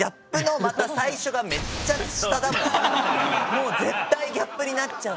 もう絶対ギャップになっちゃう。